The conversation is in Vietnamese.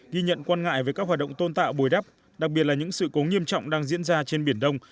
ghi nhận quan ngại về các hoạt động tôn tạo bồi đắp đặc biệt là những sự cố nghiêm trọng đang diễn ra trên biển đông